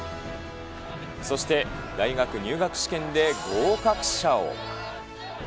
そして大学入学試験で合格者を。